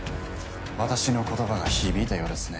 私の言葉が響いたようですね。